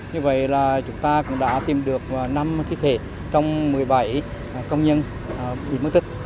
như vậy là chúng ta cũng đã tìm được năm thi thể trong một mươi bảy công nhân bị mất tích